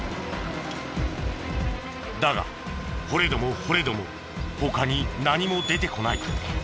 だが掘れども掘れども他に何も出てこない。